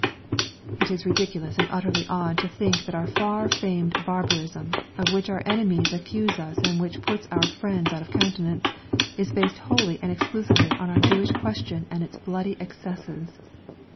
It is ridiculous and utterly odd to think that our far famed "barbarism" of which our enemies accuse us and which puts our friends out of countenance, is based wholly and exclusively on our Jewish question and its bloody excesses.